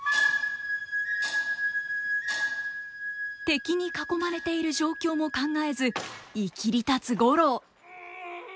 敵に囲まれている状況も考えずいきりたつ五郎。